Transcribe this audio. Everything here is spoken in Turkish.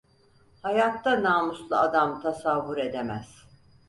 Hayatta namuslu adam tasavvur edemez.